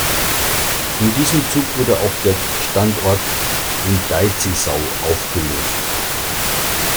In diesem Zug wurde auch der Standort in Deizisau aufgelöst.